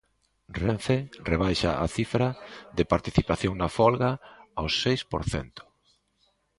Renfe rebaixa a cifra de participación na folga ao seis por cento.